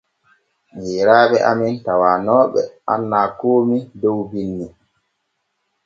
Yeyraaɓe amen tawanooɓe annaa koomi dow binni.